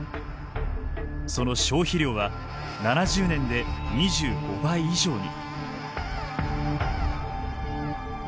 その消費量は７０年で２５倍以上に。